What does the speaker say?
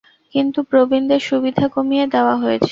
কিন্তু প্রবীণদের সুবিধা কমিয়ে দেওয়া হয়েছে।